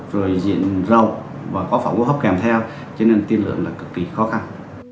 rồi diện rộng và có phòng hô hấp kèm theo cho nên tiên lượng là cực kỳ khó khăn